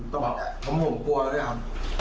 ต้องบอกแหละเพราะผมกลัวแล้วด้วยครับ